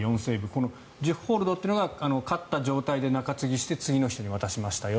この１０ホールドというのが勝った状態で中継ぎして次の人に渡しましたよ。